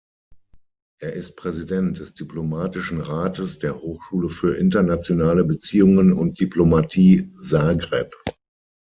Er ist Präsident des Diplomatischen Rates der Hochschule für Internationale Beziehungen und Diplomatie Zagreb.